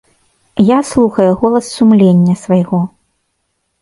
Я слухаю голас сумлення свайго.